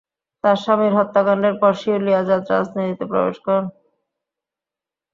তার স্বামীর হত্যাকাণ্ডের পর, শিউলি আজাদ রাজনীতিতে প্রবেশ করেন।